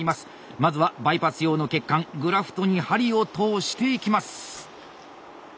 まずはバイパス用の血管グラフトに針を通していきます。